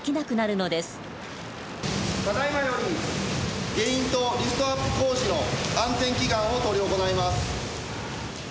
ただいまよりゲイン塔リフトアップ工事の安全祈願を執り行います。